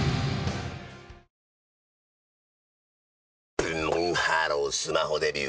ブンブンハロースマホデビュー！